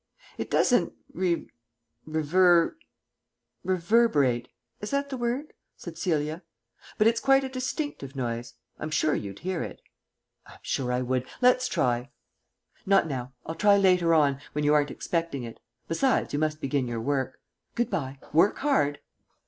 "It doesn't re rever reverberate is that the word?" said Celia, "but it's quite a distinctive noise. I'm sure you'd hear it." "I'm sure I should. Let's try." "Not now. I'll try later on, when you aren't expecting it. Besides, you must begin your work. Good bye. Work hard."